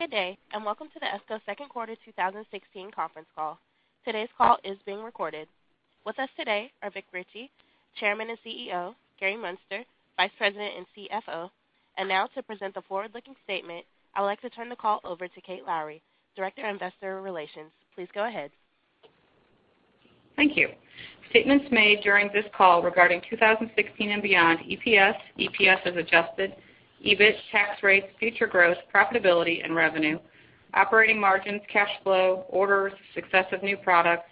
Good day and welcome to the ESCO second quarter 2016 conference call. Today's call is being recorded. With us today are Vic Richey, Chairman and CEO, Gary Muenster, Vice President and CFO, and now to present the forward-looking statement I'd like to turn the call over to Kate Lowrey, Director of Investor Relations. Please go ahead. Thank you. Statements made during this call regarding 2016 and beyond: EPS, EPS as adjusted, EBIT, tax rates, future growth, profitability and revenue, operating margins, cash flow, orders, success of new products,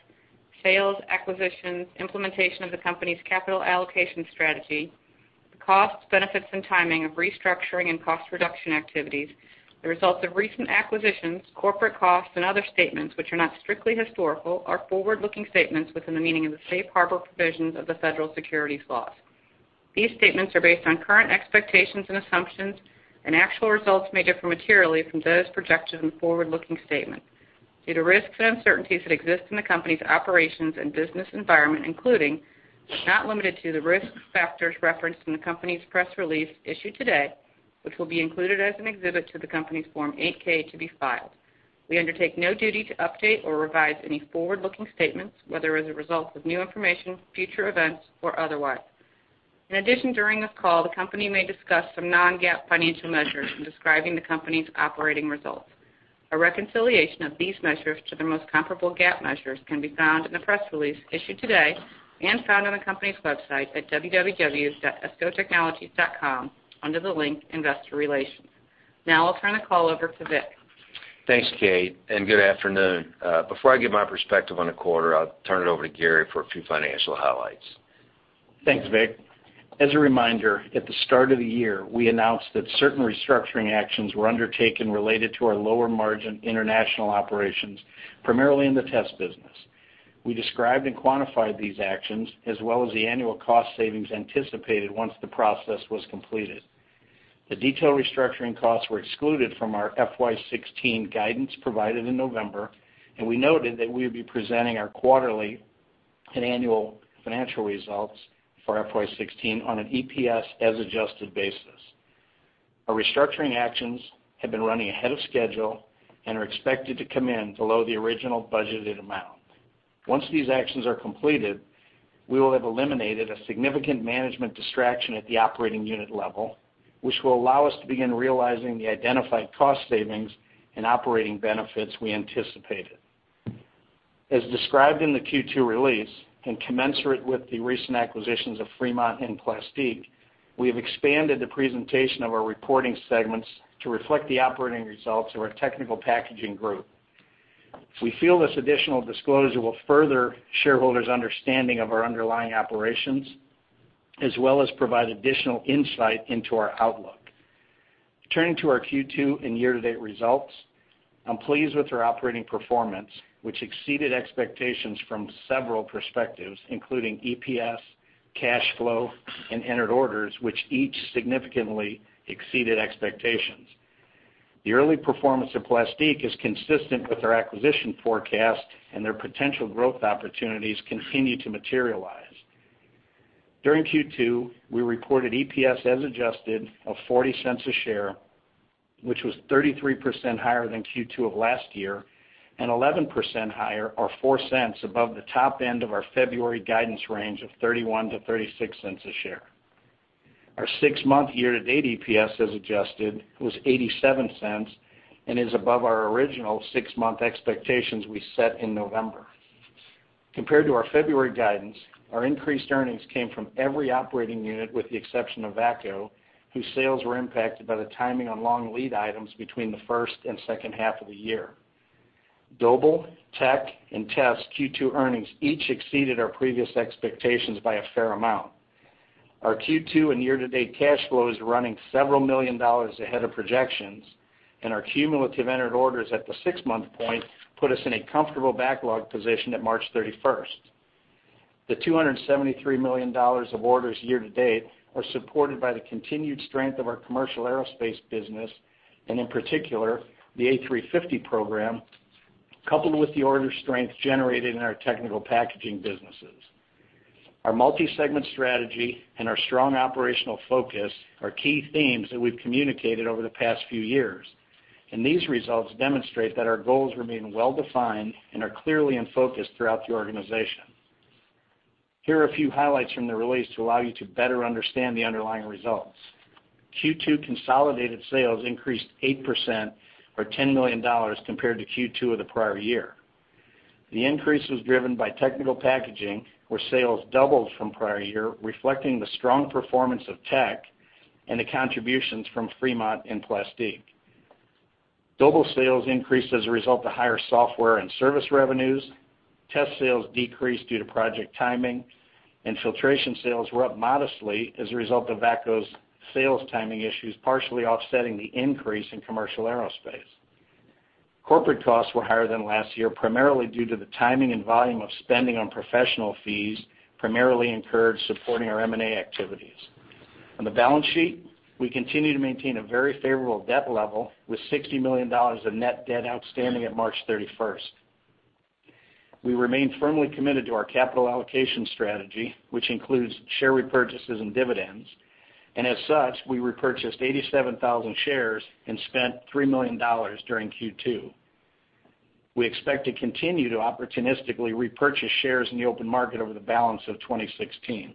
sales, acquisitions, implementation of the company's capital allocation strategy, the costs, benefits, and timing of restructuring and cost reduction activities, the results of recent acquisitions, corporate costs, and other statements which are not strictly historical are forward-looking statements within the meaning of the safe harbor provisions of the federal securities laws. These statements are based on current expectations and assumptions, and actual results may differ materially from those projected in the forward-looking statement. Due to risks and uncertainties that exist in the company's operations and business environment, including, but not limited to, the risk factors referenced in the company's press release issued today, which will be included as an exhibit to the company's Form 8-K to be filed. We undertake no duty to update or revise any forward-looking statements, whether as a result of new information, future events, or otherwise. In addition, during this call the company may discuss some non-GAAP financial measures in describing the company's operating results. A reconciliation of these measures to their most comparable GAAP measures can be found in the press release issued today and found on the company's website at www.escotechnologies.com under the link Investor Relations. Now I'll turn the call over to Vic. Thanks, Kate, and good afternoon. Before I give my perspective on the quarter, I'll turn it over to Gary for a few financial highlights. Thanks, Vic. As a reminder, at the start of the year we announced that certain restructuring actions were undertaken related to our lower margin international operations, primarily in the test business. We described and quantified these actions as well as the annual cost savings anticipated once the process was completed. The detailed restructuring costs were excluded from our FY16 guidance provided in November, and we noted that we would be presenting our quarterly and annual financial results for FY16 on an EPS as adjusted basis. Our restructuring actions have been running ahead of schedule and are expected to come in below the original budgeted amount. Once these actions are completed, we will have eliminated a significant management distraction at the operating unit level, which will allow us to begin realizing the identified cost savings and operating benefits we anticipated. As described in the Q2 release and commensurate with the recent acquisitions of Fremont and Plastique, we have expanded the presentation of our reporting segments to reflect the operating results of our technical packaging group. We feel this additional disclosure will further shareholders' understanding of our underlying operations, as well as provide additional insight into our outlook. Turning to our Q2 and year-to-date results, I'm pleased with our operating performance, which exceeded expectations from several perspectives, including EPS, cash flow, and entered orders, which each significantly exceeded expectations. The early performance of Plastique is consistent with our acquisition forecast, and their potential growth opportunities continue to materialize. During Q2, we reported EPS as adjusted of $0.40 per share, which was 33% higher than Q2 of last year, and 11% higher, or $0.04, above the top end of our February guidance range of $0.31-$0.36 per share. Our six-month year-to-date EPS as adjusted was $0.87 and is above our original six-month expectations we set in November. Compared to our February guidance, our increased earnings came from every operating unit, with the exception of VACCO, whose sales were impacted by the timing on long lead items between the first and second half of the year. Doble, TEQ, and ETS Q2 earnings each exceeded our previous expectations by a fair amount. Our Q2 and year-to-date cash flow is running several million dollars ahead of projections, and our cumulative entered orders at the six-month point put us in a comfortable backlog position at March 31st. The $273 million of orders year-to-date are supported by the continued strength of our commercial aerospace business, and in particular, the A350 program, coupled with the order strength generated in our technical packaging businesses. Our multi-segment strategy and our strong operational focus are key themes that we've communicated over the past few years, and these results demonstrate that our goals remain well-defined and are clearly in focus throughout the organization. Here are a few highlights from the release to allow you to better understand the underlying results. Q2 consolidated sales increased 8%, or $10 million, compared to Q2 of the prior year. The increase was driven by technical packaging, where sales doubled from prior year, reflecting the strong performance of TEC and the contributions from Fremont and Plastique. Doble sales increased as a result of higher software and service revenues, test sales decreased due to project timing, and filtration sales were up modestly as a result of VACCO's sales timing issues partially offsetting the increase in commercial aerospace. Corporate costs were higher than last year, primarily due to the timing and volume of spending on professional fees primarily incurred supporting our M&A activities. On the balance sheet, we continue to maintain a very favorable debt level, with $60 million of net debt outstanding at March 31st. We remain firmly committed to our capital allocation strategy, which includes share repurchases and dividends, and as such, we repurchased 87,000 shares and spent $3 million during Q2. We expect to continue to opportunistically repurchase shares in the open market over the balance of 2016.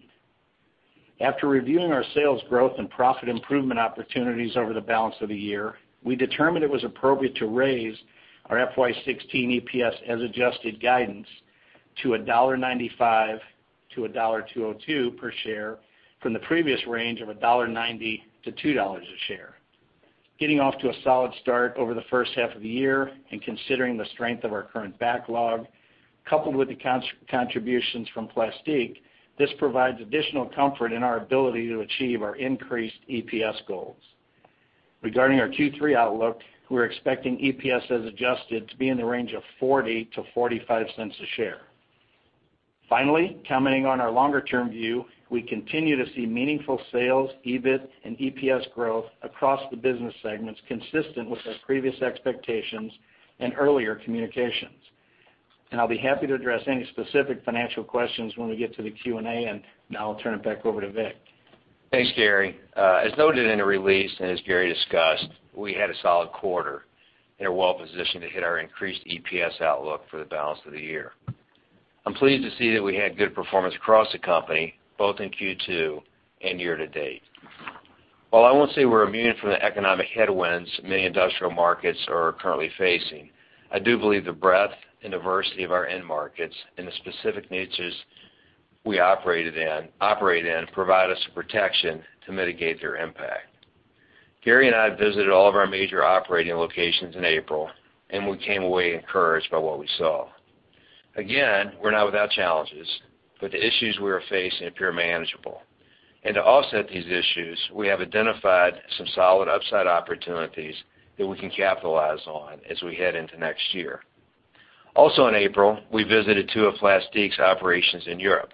After reviewing our sales growth and profit improvement opportunities over the balance of the year, we determined it was appropriate to raise our FY16 EPS as adjusted guidance to $1.95-$1.202 per share from the previous range of $1.90-$2 a share. Getting off to a solid start over the first half of the year and considering the strength of our current backlog, coupled with the contributions from Plastique, this provides additional comfort in our ability to achieve our increased EPS goals. Regarding our Q3 outlook, we're expecting EPS as adjusted to be in the range of $0.40-$0.45 a share. Finally, commenting on our longer-term view, we continue to see meaningful sales, EBIT, and EPS growth across the business segments consistent with our previous expectations and earlier communications. I'll be happy to address any specific financial questions when we get to the Q&A, and now I'll turn it back over to Vic. Thanks, Gary. As noted in the release and as Gary discussed, we had a solid quarter and are well-positioned to hit our increased EPS outlook for the balance of the year. I'm pleased to see that we had good performance across the company, both in Q2 and year-to-date. While I won't say we're immune from the economic headwinds many industrial markets are currently facing, I do believe the breadth and diversity of our end markets and the specific niches we operate in provide us a protection to mitigate their impact. Gary and I visited all of our major operating locations in April, and we came away encouraged by what we saw. Again, we're not without challenges, but the issues we are facing appear manageable. To offset these issues, we have identified some solid upside opportunities that we can capitalize on as we head into next year. Also in April, we visited two of Plastique's operations in Europe: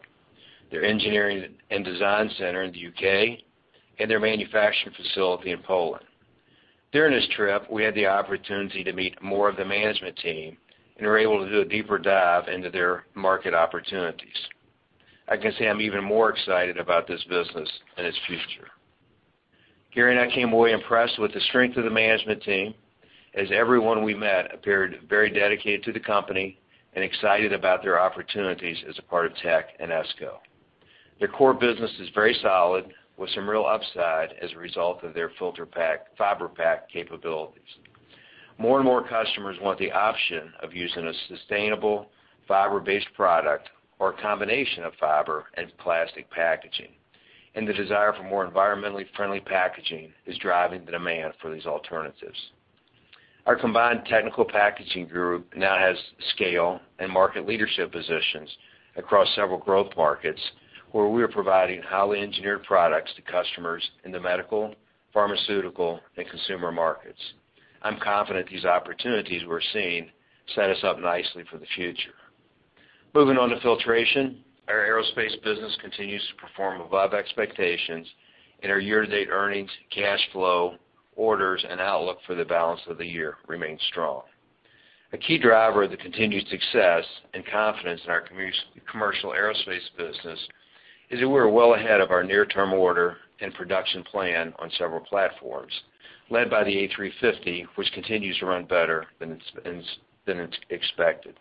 their engineering and design center in the U.K. and their manufacturing facility in Poland. During this trip, we had the opportunity to meet more of the management team and were able to do a deeper dive into their market opportunities. I can say I'm even more excited about this business and its future. Gary and I came away impressed with the strength of the management team, as everyone we met appeared very dedicated to the company and excited about their opportunities as a part of TEC and ESCO. Their core business is very solid, with some real upside as a result of their Fibrepak capabilities. More and more customers want the option of using a sustainable fiber-based product or a combination of fiber and plastic packaging, and the desire for more environmentally friendly packaging is driving the demand for these alternatives. Our combined technical packaging group now has scale and market leadership positions across several growth markets, where we are providing highly engineered products to customers in the medical, pharmaceutical, and consumer markets. I'm confident these opportunities we're seeing set us up nicely for the future. Moving on to filtration, our aerospace business continues to perform above expectations, and our year-to-date earnings, cash flow, orders, and outlook for the balance of the year remain strong. A key driver of the continued success and confidence in our commercial aerospace business is that we are well ahead of our near-term order and production plan on several platforms, led by the A350, which continues to run better than expected.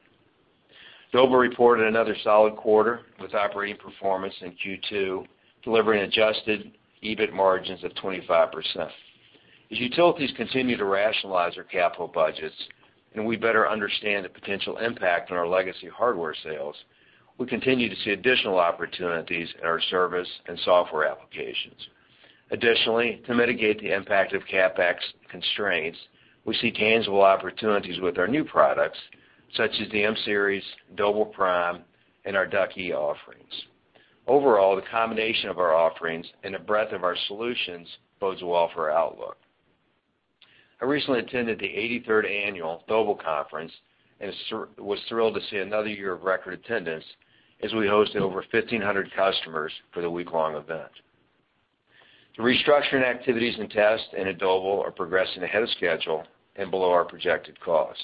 Doble reported another solid quarter with operating performance in Q2 delivering adjusted EBIT margins of 25%. As utilities continue to rationalize their capital budgets and we better understand the potential impact on our legacy hardware sales, we continue to see additional opportunities in our service and software applications. Additionally, to mitigate the impact of CapEx constraints, we see tangible opportunities with our new products, such as the M Series, Doble Prime, and our Ducky offerings. Overall, the combination of our offerings and the breadth of our solutions bodes well for our outlook. I recently attended the 83rd annual Doble Conference and was thrilled to see another year of record attendance as we hosted over 1,500 customers for the week-long event. The restructuring activities in TESS and in Doble are progressing ahead of schedule and below our projected cost.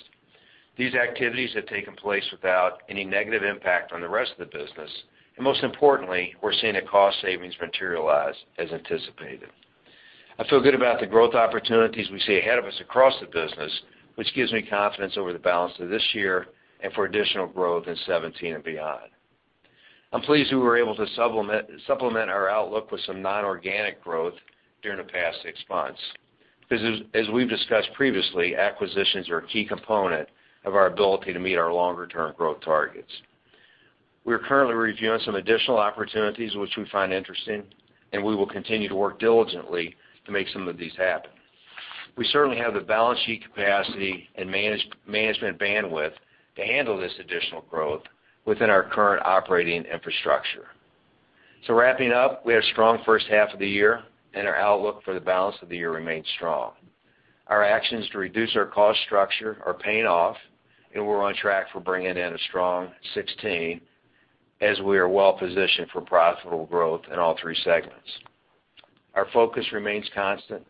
These activities have taken place without any negative impact on the rest of the business, and most importantly, we're seeing the cost savings materialize as anticipated. I feel good about the growth opportunities we see ahead of us across the business, which gives me confidence over the balance of this year and for additional growth in 2017 and beyond. I'm pleased we were able to supplement our outlook with some non-organic growth during the past six months because, as we've discussed previously, acquisitions are a key component of our ability to meet our longer-term growth targets. We are currently reviewing some additional opportunities, which we find interesting, and we will continue to work diligently to make some of these happen. We certainly have the balance sheet capacity and management bandwidth to handle this additional growth within our current operating infrastructure. So wrapping up, we had a strong first half of the year, and our outlook for the balance of the year remains strong. Our actions to reduce our cost structure are paying off, and we're on track for bringing in a strong 2016 as we are well-positioned for profitable growth in all three segments. Our focus remains constant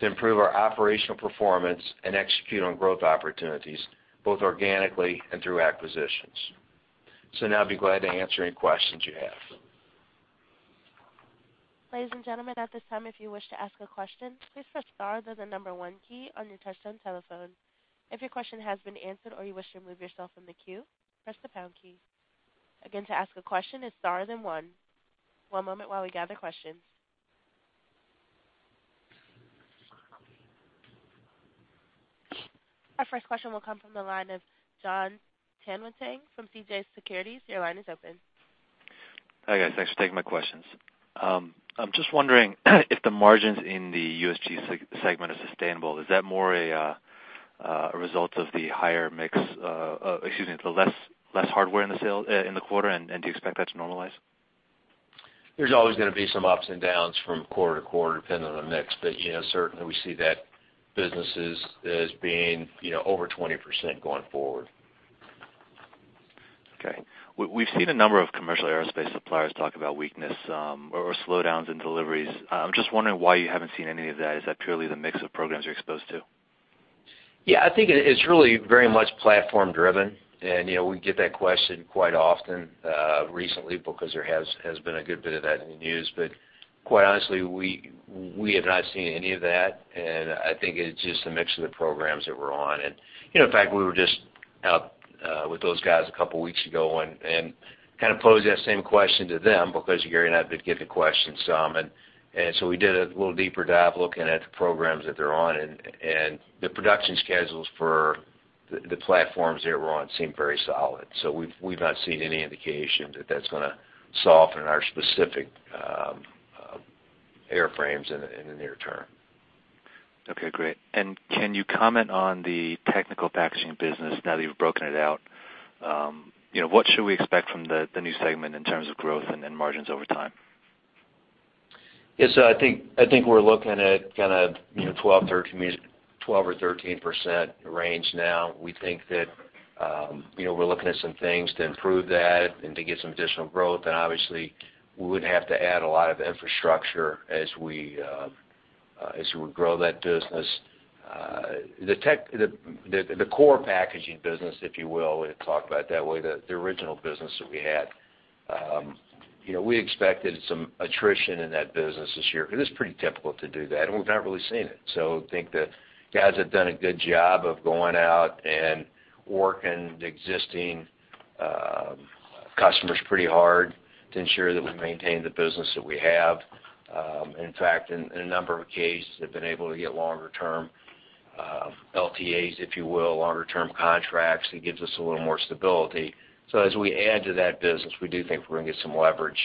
to improve our operational performance and execute on growth opportunities, both organically and through acquisitions. So now I'd be glad to answer any questions you have. Ladies and gentlemen, at this time, if you wish to ask a question, please press star, then the number one key on your touch-tone telephone. If your question has been answered or you wish to remove yourself from the queue, press the pound key. Again, to ask a question, it's star, then one. One moment while we gather questions. Our first question will come from the line of Jon Tanwanteng from CJS Securities. Your line is open. Hi guys. Thanks for taking my questions. I'm just wondering if the margins in the USG segment are sustainable. Is that more a result of the higher mix, excuse me, the less hardware in the sale in the quarter, and do you expect that to normalize? There's always going to be some ups and downs from quarter to quarter depending on the mix, but, you know, certainly we see that businesses as being, you know, over 20% going forward. Okay. We've seen a number of commercial aerospace suppliers talk about weakness, or slowdowns in deliveries. I'm just wondering why you haven't seen any of that. Is that purely the mix of programs you're exposed to? Yeah. I think it's really very much platform-driven, and, you know, we get that question quite often, recently because there has been a good bit of that in the news. But quite honestly, we have not seen any of that, and I think it's just a mix of the programs that we're on. And, you know, in fact, we were just out with those guys a couple of weeks ago and kind of posed that same question to them because Gary and I have been getting the question some, and so we did a little deeper dive looking at the programs that they're on, and the production schedules for the platforms that we're on seem very solid. So we've not seen any indication that that's going to soften our specific airframes in the near term. Okay. Great. And can you comment on the Technical Packaging business now that you've broken it out? You know, what should we expect from the new segment in terms of growth and margins over time? Yeah. So I think, I think we're looking at kind of, you know, 12%-13% range now. We think that, you know, we're looking at some things to improve that and to get some additional growth, and obviously, we would have to add a lot of infrastructure as we grow that business. The core packaging business, if you will, we talk about it that way, the original business that we had, you know, we expected some attrition in that business this year because it's pretty typical to do that, and we've not really seen it. So I think the guys have done a good job of going out and working the existing customers pretty hard to ensure that we maintain the business that we have. In fact, in a number of cases, they've been able to get longer-term LTAs, if you will, longer-term contracts. It gives us a little more stability. So as we add to that business, we do think we're going to get some leverage.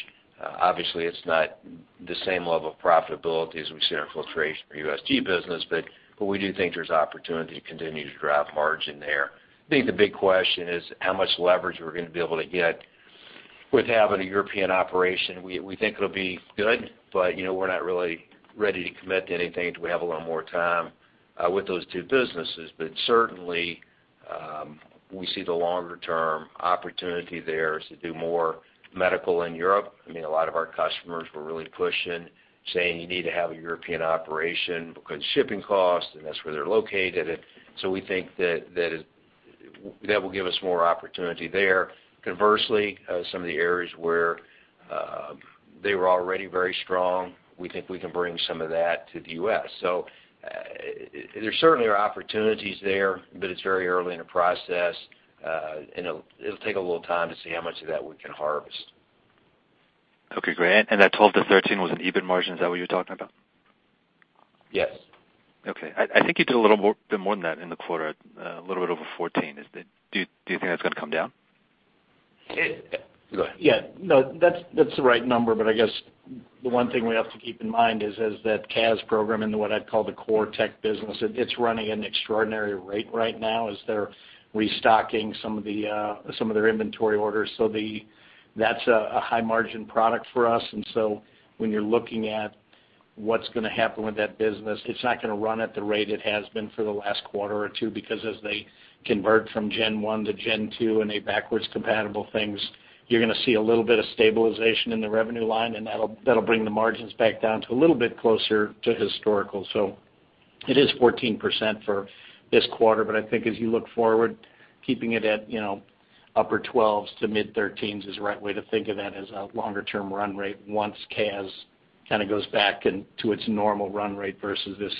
Obviously, it's not the same level of profitability as we see in our filtration or USG business, but we do think there's opportunity to continue to drive margin there. I think the big question is how much leverage we're going to be able to get with having a European operation. We think it'll be good, but, you know, we're not really ready to commit to anything until we have a little more time with those two businesses. But certainly, we see the longer-term opportunity there is to do more medical in Europe. I mean, a lot of our customers were really pushing, saying, "You need to have a European operation because of shipping costs," and that's where they're located. And so we think that will give us more opportunity there. Conversely, some of the areas where they were already very strong, we think we can bring some of that to the U.S. So, there certainly are opportunities there, but it's very early in the process, and it'll take a little time to see how much of that we can harvest. Okay. Great. And that 12%-13% was an EBIT margin. Is that what you were talking about? Yes. Okay. I think you did a little more than that in the quarter, a little bit over 14. Is that, do you think that's going to come down? Go ahead. Yeah. No, that's, that's the right number, but I guess the one thing we have to keep in mind is, is that CAS program in what I'd call the core tech business, it, it's running at an extraordinary rate right now as they're restocking some of the, some of their inventory orders. So that's a, a high-margin product for us, and so when you're looking at what's going to happen with that business, it's not going to run at the rate it has been for the last quarter or two because as they convert from Gen 1 to Gen 2 and they backwards compatible things, you're going to see a little bit of stabilization in the revenue line, and that'll, that'll bring the margins back down to a little bit closer to historical. It is 14% for this quarter, but I think as you look forward, keeping it at, you know, upper 12s%-mid-13s% is the right way to think of that as a longer-term run rate once CAS kind of goes back into its normal run rate versus this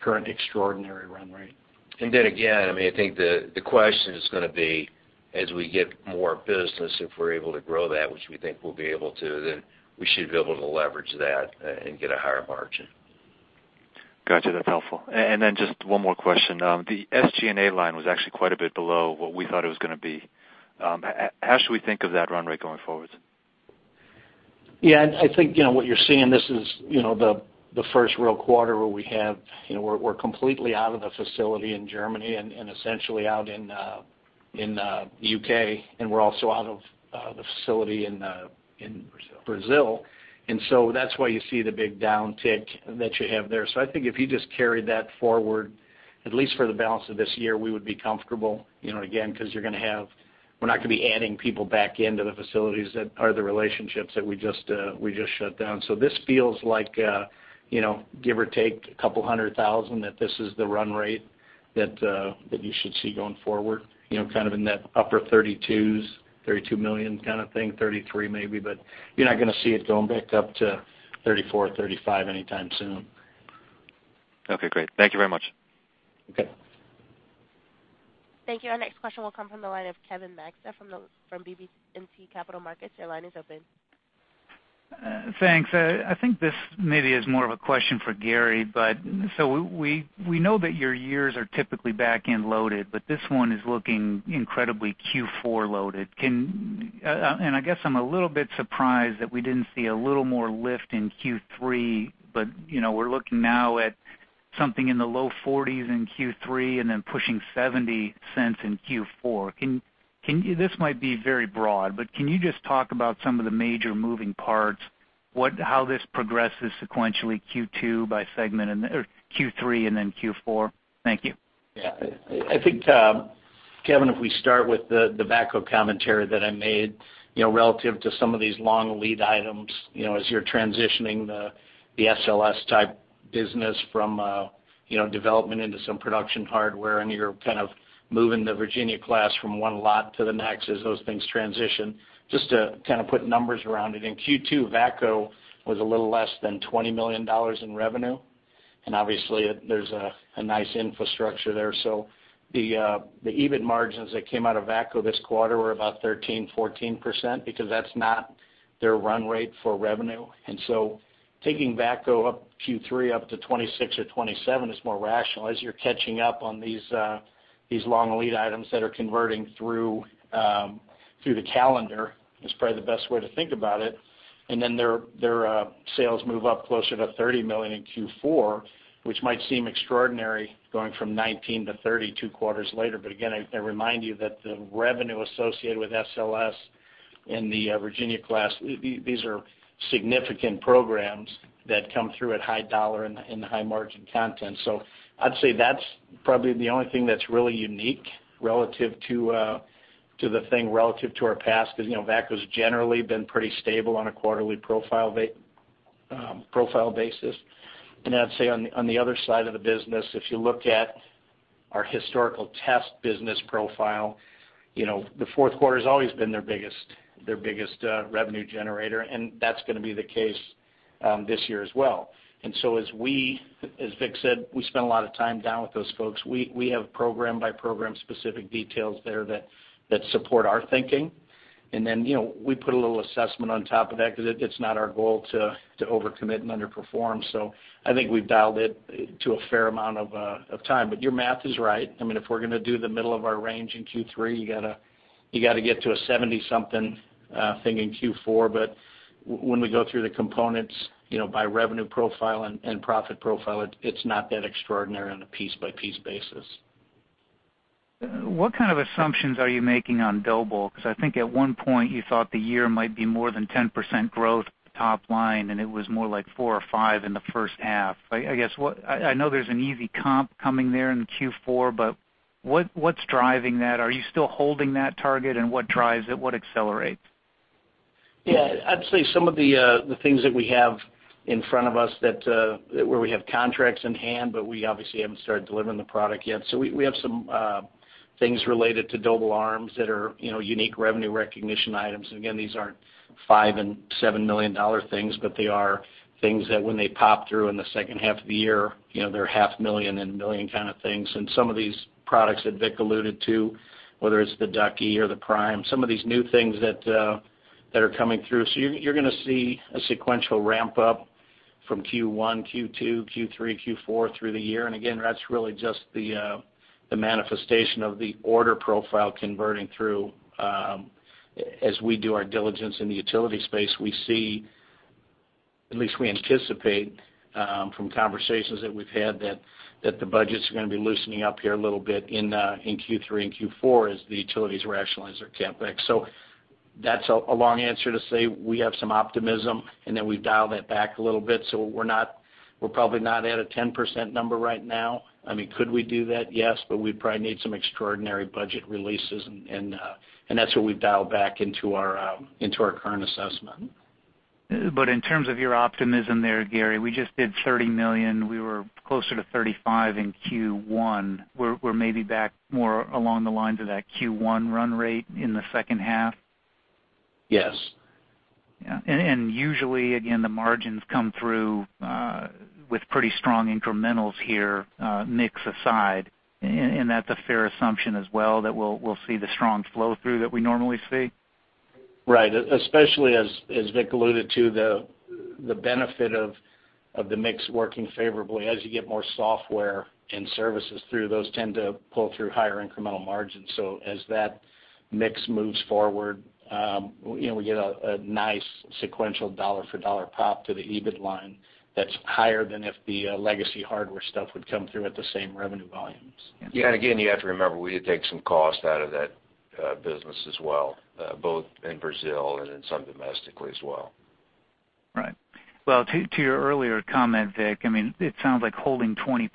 current extraordinary run rate. And then again, I mean, I think the question is going to be as we get more business, if we're able to grow that, which we think we'll be able to, then we should be able to leverage that, and get a higher margin. Gotcha. That's helpful. And then just one more question. The SG&A line was actually quite a bit below what we thought it was going to be. How should we think of that run rate going forward? Yeah. And I think, you know, what you're seeing, this is, you know, the first real quarter where we have, you know, we're completely out of the facility in Germany and essentially out in the U.K., and we're also out of the facility in. Brazil. Brazil. So that's why you see the big downtick that you have there. I think if you just carried that forward, at least for the balance of this year, we would be comfortable, you know, again, because you're going to have we're not going to be adding people back into the facilities that are the relationships that we just, we just shut down. So this feels like, you know, give or take $200,000 that this is the run rate that, that you should see going forward, you know, kind of in that upper 32s, $32 million kind of thing, $33 million maybe, but you're not going to see it going back up to $34 miilion-$35 million anytime soon. Okay. Great. Thank you very much. Okay. Thank you. Our next question will come from the line of Kevin Maczka from BB&T Capital Markets. Your line is open. Thanks. I think this maybe is more of a question for Gary, but so we know that your years are typically back-end loaded, but this one is looking incredibly Q4 loaded. And I guess I'm a little bit surprised that we didn't see a little more lift in Q3, but, you know, we're looking now at something in the low 40s in Q3 and then pushing $0.70 in Q4. Can you—this might be very broad, but can you just talk about some of the major moving parts, what, how this progresses sequentially, Q2 by segment and then Q3 and Q4? Thank you. Yeah. I think, Kevin, if we start with the VACCO commentary that I made, you know, relative to some of these long lead items, you know, as you're transitioning the SLS-type business from, you know, development into some production hardware and you're kind of moving the Virginia class from one lot to the next as those things transition, just to kind of put numbers around it. In Q2, VACCO was a little less than $20 million in revenue, and obviously, there's a nice infrastructure there. So the EBIT margins that came out of VACCO this quarter were about 13%-14% because that's not their run rate for revenue. And so taking VACCO up Q3 up to $26 million or $27 million is more rational. As you're catching up on these long lead items that are converting through the calendar is probably the best way to think about it. And then their sales move up closer to $30 million in Q4, which might seem extraordinary going from $19 million to $30 million two quarters later. But again, I remind you that the revenue associated with SLS in the Virginia class these are significant programs that come through at high dollar in the high-margin content. So I'd say that's probably the only thing that's really unique relative to the thing relative to our past because, you know, VACCO's generally been pretty stable on a quarterly profile basis. I'd say on the other side of the business, if you look at our historical test business profile, you know, the fourth quarter's always been their biggest revenue generator, and that's going to be the case this year as well. So as Vic said, we spend a lot of time down with those folks. We have program-by-program specific details there that support our thinking. And then, you know, we put a little assessment on top of that because it's not our goal to overcommit and underperform. So I think we've dialed it to a fair amount of time. But your math is right. I mean, if we're going to do the middle of our range in Q3, you got to get to a 70-something in Q4. But when we go through the components, you know, by revenue profile and profit profile, it's not that extraordinary on a piece-by-piece basis. What kind of assumptions are you making on Doble? Because I think at one point, you thought the year might be more than 10% growth top line, and it was more like 4% or 5% in the first half. I guess what I know there's an easy comp coming there in Q4, but what's driving that? Are you still holding that target, and what drives it? What accelerates? Yeah. I'd say some of the things that we have in front of us that where we have contracts in hand, but we obviously haven't started delivering the product yet. So we have some things related to Doble ARMS that are, you know, unique revenue recognition items. And again, these aren't $5 million and $7 million things, but they are things that when they pop through in the second half of the year, you know, they're $500,000 and $1 million kind of things. And some of these products that Vic alluded to, whether it's the Ducky or the Prime, some of these new things that are coming through. So you're going to see a sequential ramp-up from Q1, Q2, Q3, Q4 through the year. And again, that's really just the manifestation of the order profile converting through. As we do our diligence in the utility space, we see at least we anticipate, from conversations that we've had that the budgets are going to be loosening up here a little bit in Q3 and Q4 as the utilities rationalize their CapEx. So that's a long answer to say we have some optimism, and then we've dialed that back a little bit. So we're probably not at a 10% number right now. I mean, could we do that? Yes, but we'd probably need some extraordinary budget releases, and that's what we've dialed back into our current assessment. But in terms of your optimism there, Gary, we just did $30 million. We were closer to $35 million in Q1. We're maybe back more along the lines of that Q1 run rate in the second half? Yes. Yeah. And usually, again, the margins come through with pretty strong incrementals here, mix aside. And that's a fair assumption as well that we'll see the strong flow through that we normally see? Right. Especially as Vic alluded to, the benefit of the mix working favorably. As you get more software and services through, those tend to pull through higher incremental margins. So as that mix moves forward, you know, we get a nice sequential dollar-for-dollar pop to the EBIT line that's higher than if the legacy hardware stuff would come through at the same revenue volumes. Yeah. Again, you have to remember, we did take some cost out of that, business as well, both in Brazil and then some domestically as well. Right. Well, to your earlier comment, Vic, I mean, it sounds like holding 20%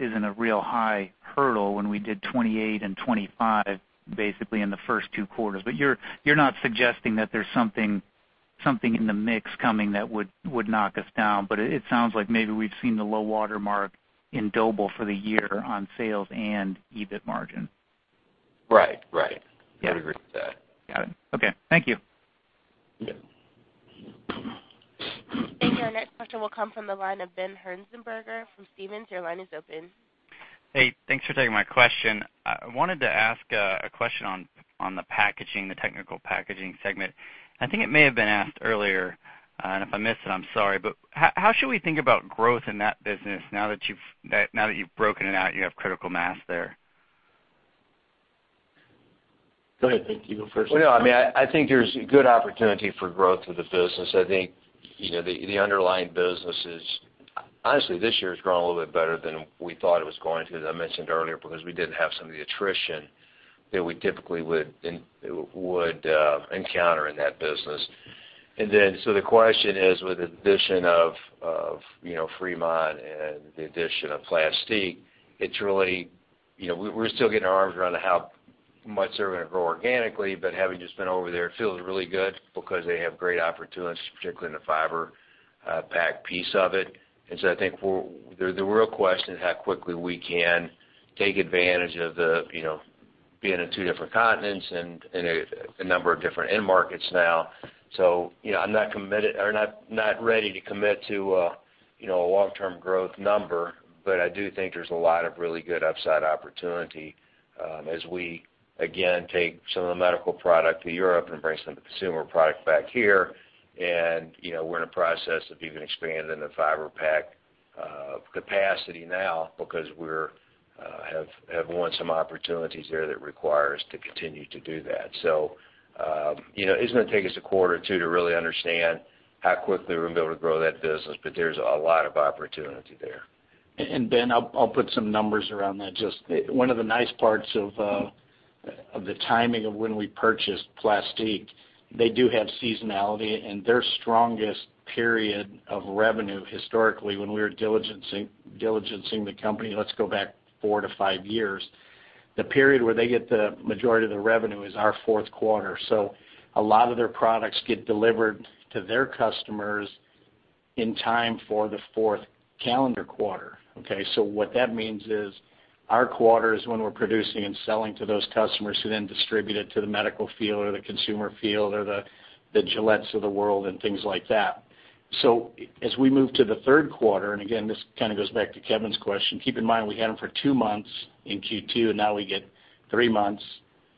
isn't a real high hurdle when we did 28% and 25% basically in the first two quarters. But you're not suggesting that there's something in the mix coming that would knock us down, but it sounds like maybe we've seen the low watermark in Doble for the year on sales and EBIT margin. Right. Right. Yeah. I would agree with that. Got it. Okay. Thank you. Yeah. Thank you. Our next question will come from the line of Ben Hearnsberger from Stephens. Your line is open. Hey. Thanks for taking my question. I wanted to ask a question on the packaging, the technical packaging segment. I think it may have been asked earlier, and if I missed it, I'm sorry, but how should we think about growth in that business now that you've broken it out, you have critical mass there? Go ahead. Thank you. Go first. Well, no. I mean, I think there's good opportunity for growth with the business. I think, you know, the underlying business is honestly, this year's grown a little bit better than we thought it was going to, as I mentioned earlier, because we didn't have some of the attrition that we typically would encounter in that business. And then so the question is, with the addition of you know, Fremont and the addition of Plastique, it's really you know, we're still getting our arms around how much they're going to grow organically, but having just been over there, it feels really good because they have great opportunities, particularly in the fiber pack piece of it. And so I think we're with the real question is how quickly we can take advantage of the, you know, being in two different continents and a number of different end markets now. So, you know, I'm not committed or not ready to commit to a, you know, a long-term growth number, but I do think there's a lot of really good upside opportunity, as we, again, take some of the medical product to Europe and bring some of the consumer product back here. And, you know, we're in a process of even expanding the Fiber pack capacity now because we have won some opportunities there that requires to continue to do that. You know, it's going to take us a quarter or two to really understand how quickly we're going to be able to grow that business, but there's a lot of opportunity there. And Ben, I'll put some numbers around that. Just the one of the nice parts of the timing of when we purchased Plastique, they do have seasonality, and their strongest period of revenue historically, when we were diligencing the company, let's go back 4-5 years, the period where they get the majority of the revenue is our fourth quarter. So a lot of their products get delivered to their customers in time for the fourth calendar quarter, okay? So what that means is our quarter is when we're producing and selling to those customers who then distribute it to the medical field or the consumer field or the Gillette's of the world and things like that. So as we move to the third quarter and again, this kind of goes back to Kevin's question. Keep in mind, we had them for two months in Q2, and now we get three months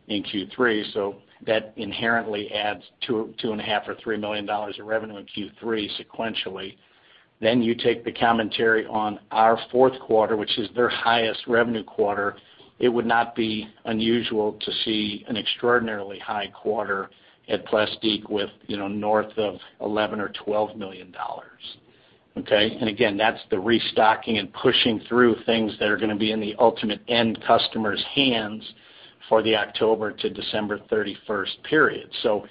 in Q3. So that inherently adds $2 million or $2.5 million or $3 million of revenue in Q3 sequentially. Then you take the commentary on our fourth quarter, which is their highest revenue quarter. It would not be unusual to see an extraordinarily high quarter at Plastique with, you know, north of $11 or $12 million, okay? And again, that's the restocking and pushing through things that are going to be in the ultimate end customer's hands for the October to December 31st period. So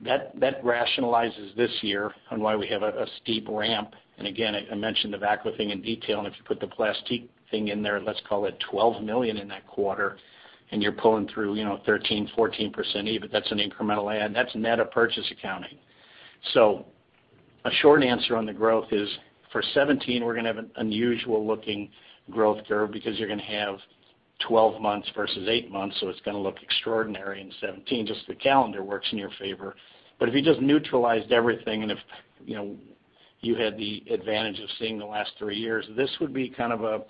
that rationalizes this year on why we have a steep ramp. Again, I, I mentioned the VACCO thing in detail, and if you put the Plastique thing in there, let's call it $12 million in that quarter, and you're pulling through, you know, 13%-14% EBIT. That's an incremental add. That's net of purchase accounting. So a short answer on the growth is, for 2017, we're going to have an unusual-looking growth curve because you're going to have 12 months versus 8 months, so it's going to look extraordinary in 2017. Just the calendar works in your favor. But if you just neutralized everything and if, you know, you had the advantage of seeing the last three years, this would be kind of a,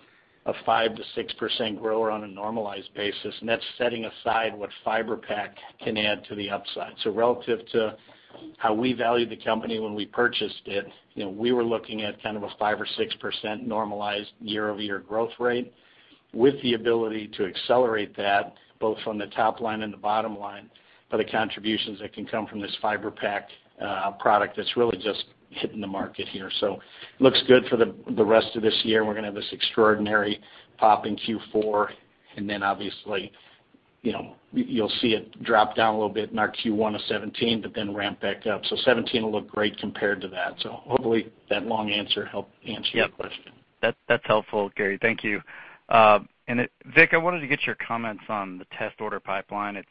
a 5%-6% grower on a normalized basis. And that's setting aside what Fiber pack can add to the upside. So relative to how we valued the company when we purchased it, you know, we were looking at kind of a 5% or 6% normalized year-over-year growth rate with the ability to accelerate that both from the top line and the bottom line by the contributions that can come from this Fiber pack product that's really just hitting the market here. So it looks good for the rest of this year, and we're going to have this extraordinary pop in Q4. And then obviously, you know, you'll see it drop down a little bit in our Q1 of 2017 but then ramp back up. So 2017 will look great compared to that. So hopefully, that long answer helped answer your question. Yeah. That's helpful, Gary. Thank you. Vic, I wanted to get your comments on the test order pipeline. It's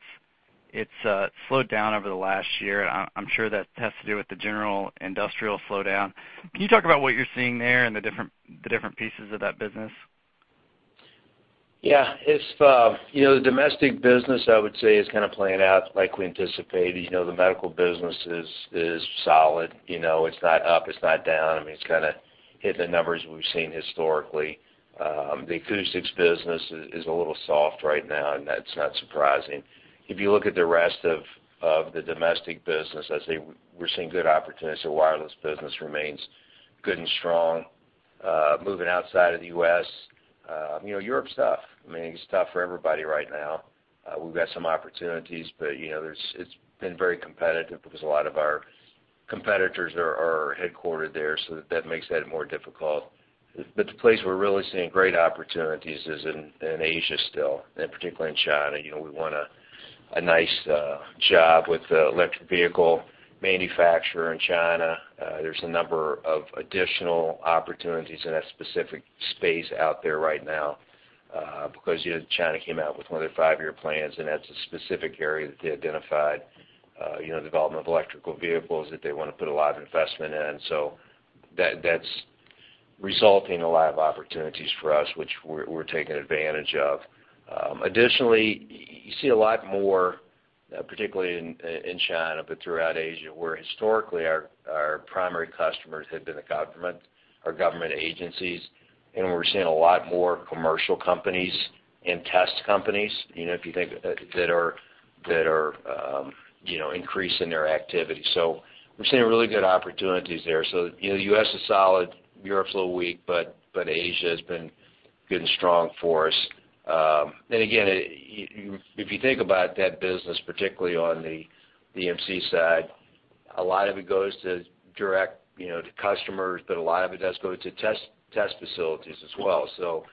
slowed down over the last year, and I'm sure that has to do with the general industrial slowdown. Can you talk about what you're seeing there and the different pieces of that business? Yeah. If, you know, the domestic business, I would say, is kind of playing out like we anticipated. You know, the medical business is, is solid. You know, it's not up. It's not down. I mean, it's kind of hit the numbers we've seen historically. The acoustics business is, is a little soft right now, and that's not surprising. If you look at the rest of, of the domestic business, I'd say we're seeing good opportunities. The wireless business remains good and strong. Moving outside of the U.S., you know, Europe's tough. I mean, it's tough for everybody right now. We've got some opportunities, but, you know, there, it's been very competitive because a lot of our competitors are, are headquartered there, so that makes that more difficult. But the place we're really seeing great opportunities is in, in Asia still and particularly in China. You know, we want a nice job with the electric vehicle manufacturer in China. There's a number of additional opportunities in that specific space out there right now, because, you know, China came out with one of their five-year plans, and that's a specific area that they identified, you know, development of electric vehicles that they want to put a lot of investment in. So that, that's resulting in a lot of opportunities for us, which we're taking advantage of. Additionally, you see a lot more, particularly in China but throughout Asia, where historically, our primary customers had been the government or government agencies. And we're seeing a lot more commercial companies and test companies, you know, if you think that are increasing their activity. So we're seeing really good opportunities there. So, you know, the U.S. is solid. Europe's a little weak, but Asia has been good and strong for us. And again, you if you think about that business, particularly on the EMC side, a lot of it goes to direct, you know, to customers, but a lot of it does go to test facilities as well. So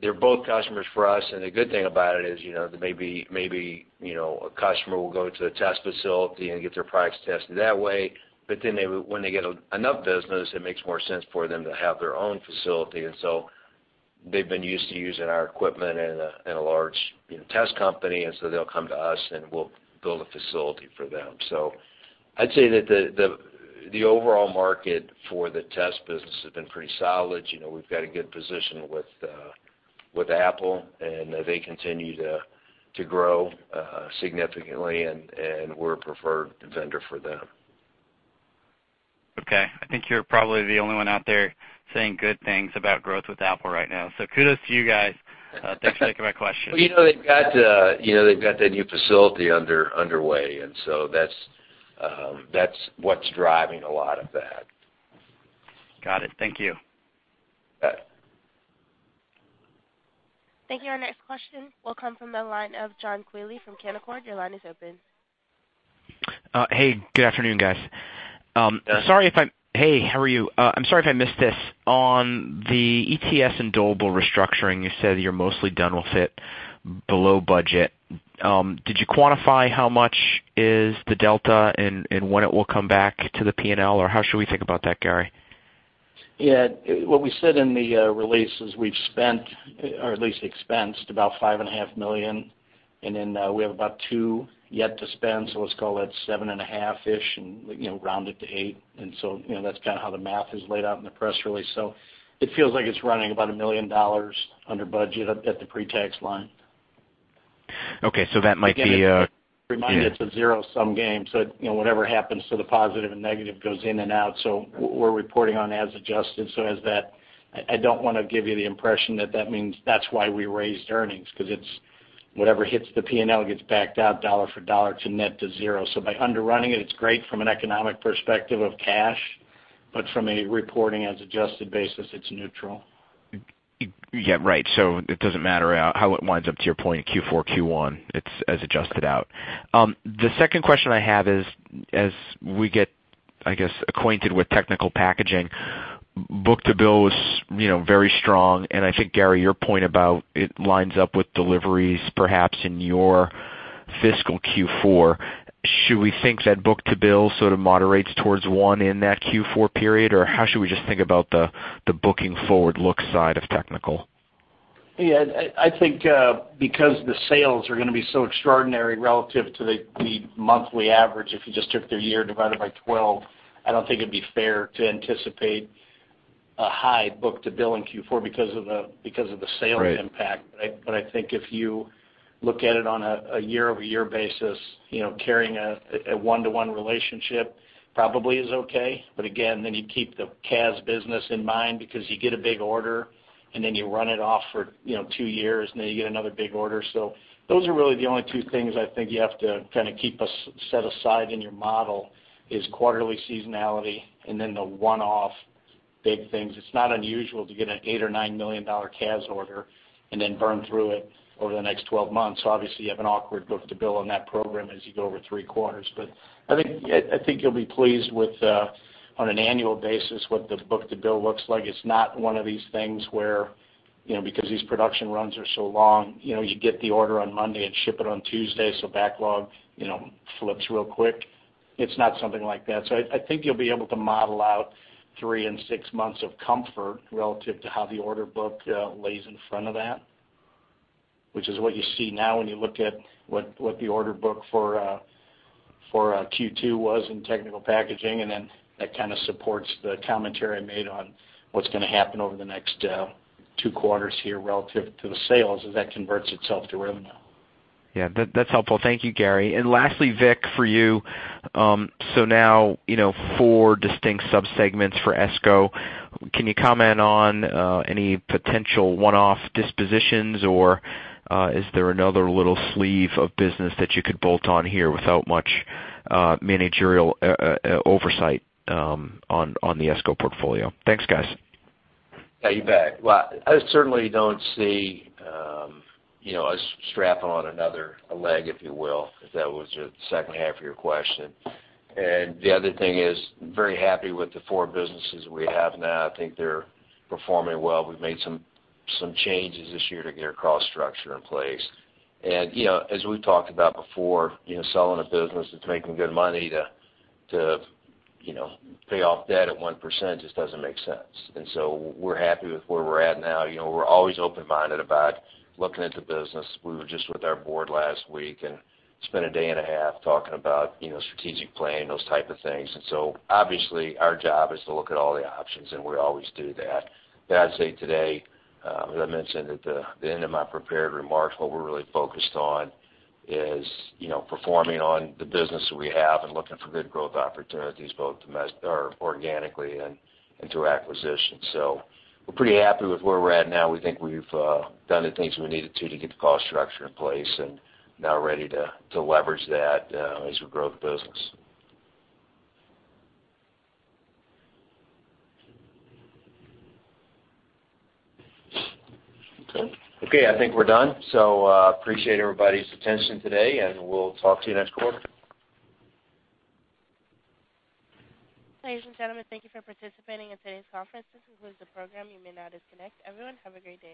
they're both customers for us, and the good thing about it is, you know, that maybe, you know, a customer will go to a test facility and get their products tested that way, but then when they get enough business, it makes more sense for them to have their own facility. And so they've been used to using our equipment in a large, you know, test company, and so they'll come to us, and we'll build a facility for them. I'd say that the overall market for the test business has been pretty solid. You know, we've got a good position with Apple, and we're a preferred vendor for them. Okay. I think you're probably the only one out there saying good things about growth with Apple right now. So kudos to you guys. Thanks for taking my question. Well, you know, they've got that new facility underway, and so that's what's driving a lot of that. Got it. Thank you. Got it. Thank you. Our next question will come from the line of John Quealy from Canaccord. Your line is open. Hey. Good afternoon, guys. Yeah. Sorry if I'm hey. How are you? I'm sorry if I missed this. On the ETS and Doble restructuring, you said you're mostly done with it below budget. Did you quantify how much is the delta and, and when it will come back to the P&L, or how should we think about that, Gary? Yeah. What we said in the release is we've spent or at least expensed about $5.5 million, and then we have about $2 million yet to spend, so let's call that 7.5%ish and, you know, round it to 8%. And so, you know, that's kind of how the math is laid out in the press release. So it feels like it's running about $1 million under budget at the pre-tax line. Okay. So that might be a. Remind you, it's a zero-sum game, so, you know, whatever happens to the positive and negative goes in and out. So we're reporting on as adjusted, so as that, I don't want to give you the impression that that means that's why we raised earnings because it's whatever hits the P&L gets backed out dollar for dollar to net to zero. So by underrunning it, it's great from an economic perspective of cash, but from a reporting as adjusted basis, it's neutral. Yeah. Right. So it doesn't matter how it winds up, to your point, Q4, Q1. It's as adjusted out. The second question I have is, as we get, I guess, acquainted with technical packaging, book-to-bill was, you know, very strong. And I think, Gary, your point about it lines up with deliveries, perhaps, in your fiscal Q4. Should we think that book-to-bill sort of moderates towards one in that Q4 period, or how should we just think about the booking-forward-look side of technical? Yeah. I think, because the sales are going to be so extraordinary relative to the monthly average, if you just took their year divided by 12, I don't think it'd be fair to anticipate a high book-to-bill in Q4 because of the sales impact. Right. But I think if you look at it on a year-over-year basis, you know, carrying a 1-to-1 relationship probably is okay. But again, then you keep the CAS business in mind because you get a big order, and then you run it off for, you know, two years, and then you get another big order. So those are really the only two things I think you have to kind of keep set aside in your model is quarterly seasonality and then the one-off big things. It's not unusual to get an $8-$9 million CAS order and then burn through it over the next 12 months. So obviously, you have an awkward book-to-bill on that program as you go over three quarters. But I think you'll be pleased with, on an annual basis, what the book-to-bill looks like. It's not one of these things where, you know, because these production runs are so long, you know, you get the order on Monday and ship it on Tuesday, so backlog, you know, flips real quick. It's not something like that. So I think you'll be able to model out three and six months of comfort relative to how the order book lays in front of that, which is what you see now when you look at what the order book for Q2 was in Technical Packaging. And then that kind of supports the commentary I made on what's going to happen over the next two quarters here relative to the sales, as that converts itself to revenue. Yeah. That's helpful. Thank you, Gary. And lastly, Vic, for you, so now, you know, four distinct subsegments for ESCO. Can you comment on any potential one-off dispositions, or is there another little sleeve of business that you could bolt on here without much managerial oversight on the ESCO portfolio? Thanks, guys. Yeah. You bet. Well, I certainly don't see, you know, us strapping on another leg, if you will, if that was your second half of your question. And the other thing is, very happy with the four businesses we have now. I think they're performing well. We've made some changes this year to get our cost structure in place. And, you know, as we've talked about before, you know, selling a business that's making good money to, you know, pay off debt at 1% just doesn't make sense. And so we're happy with where we're at now. You know, we're always open-minded about looking at the business. We were just with our board last week and spent a day and a half talking about, you know, strategic planning, those type of things. So obviously, our job is to look at all the options, and we always do that. But I'd say today, as I mentioned at the end of my prepared remarks, what we're really focused on is, you know, performing on the business that we have and looking for good growth opportunities both domestic or organically and through acquisition. So we're pretty happy with where we're at now. We think we've done the things we needed to to get the cost structure in place and now ready to leverage that, as we grow the business. Okay. Okay. I think we're done. So, appreciate everybody's attention today, and we'll talk to you next quarter. Ladies and gentlemen, thank you for participating in today's conference. This concludes the program. You may now disconnect. Everyone, have a great day.